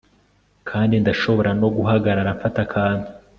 kandi ndashobora no guhagarara mfata akantu